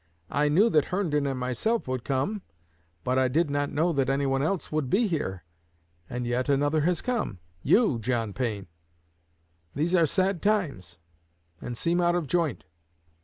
I knew that Herndon and myself would come, but I did not know that anyone else would be here; and yet another has come you, John Pain. These are sad times, and seem out of joint.